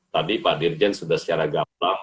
tadi pak dirjen sudah secara gamblang